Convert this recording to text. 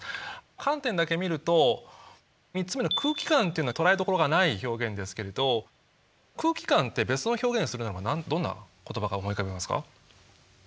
観点だけ見ると３つ目の「空気感」っていうのは捕らえどころがない表現ですけれど「空気感」って別の表現するならばどんな言葉が思い浮かびますか？